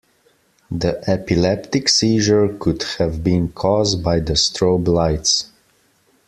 The epileptic seizure could have been cause by the strobe lights.